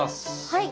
はい。